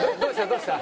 どうした？